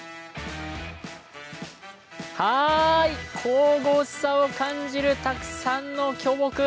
神々しさを感じるたくさんの巨木。